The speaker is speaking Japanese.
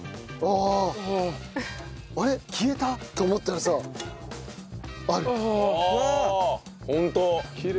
「あれっ消えた？」と思ったらさある。